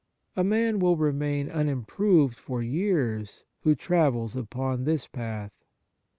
A man will remain unimproved for years who travels upon this path.